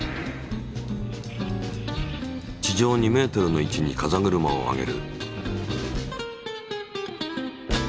地上２ｍの位置に風車を上げる。